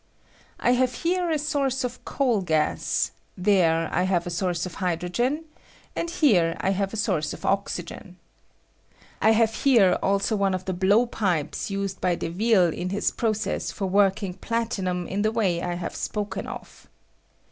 I have here a source of coal n gas ; there I have a source of hydrogen ; and here I have a source of oxygen. I have here ) one of the blowpipes used by Deville in OXTHTDROGES BLOWPIPE. 205 his process for working platinum in the way I have spoken of.